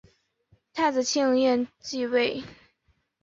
太子庆膺继位。